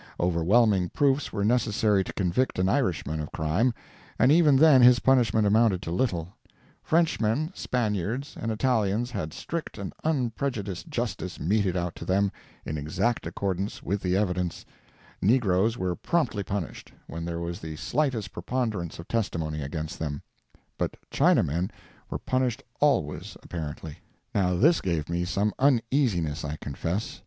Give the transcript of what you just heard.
Overwhelming proofs were necessary to convict an Irishman of crime, and even then his punishment amounted to little; Frenchmen, Spaniards, and Italians had strict and unprejudiced justice meted out to them, in exact accordance with the evidence; negroes were promptly punished, when there was the slightest preponderance of testimony against them; but Chinamen were punished always, apparently. Now this gave me some uneasiness, I confess.